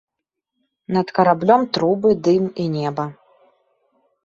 Над караблём трубы, дым і неба.